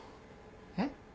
えっ？